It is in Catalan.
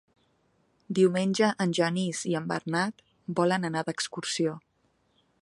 Diumenge en Genís i en Bernat volen anar d'excursió.